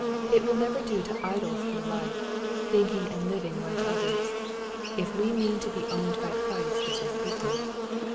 It will never do to idle through life, thinking and living like others, if we mean to be owned by Christ as His people.